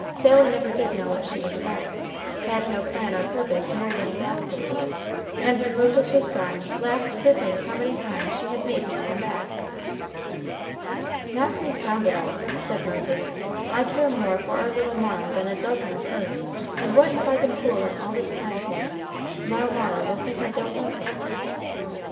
Sally never did know what she was about, had no plan or purpose more than a blackbird; and when Moses was gone laughed to think how many times she had made him come back. "Now, confound it all," said Moses, "I care more for our little Mara than a dozen of her; and what have I been fooling all this time for? now Mara will think I don't love her."